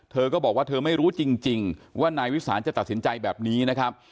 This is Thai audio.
เธอก็บอกว่าเธอไม่รู้จริงว่านายวิสานจะตัดสินใจแบบนี้นะครับ